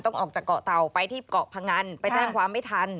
ออกจากเกาะเตาไปที่เกาะพงันไปแจ้งความไม่ทัน